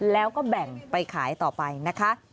แล้วก็แบ่งไปขายต่อไปนะคะ